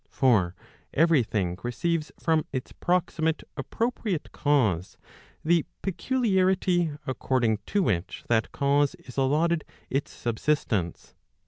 For every thing receives from its proximate appropriate cause, the peculiarity according to which that cause is allotted its subsistence.